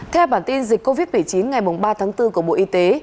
theo bản tin dịch covid một mươi chín ngày ba tháng bốn của bộ y tế